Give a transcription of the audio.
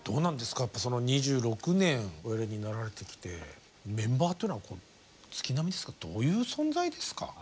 やっぱその２６年おやりになられてきてメンバーというのは月並みですがどういう存在ですか？